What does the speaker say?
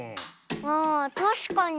あたしかに。